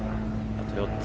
あと４つ？